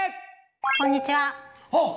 こんにちは。